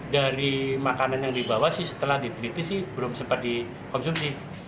dari makanan yang dibawa sih setelah diteliti sih belum sempat dikonsumsi